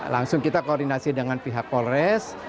langsung kita koordinasi dengan pihak polres